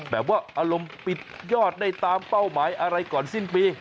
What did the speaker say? แบบว่าอารมณ์ปิดยอดได้ตามเป้าหมายอะไรก่อนสิ้นปี